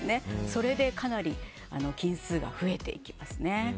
それでかなり菌数が増えていきます。